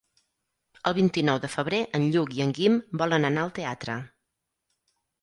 El vint-i-nou de febrer en Lluc i en Guim volen anar al teatre.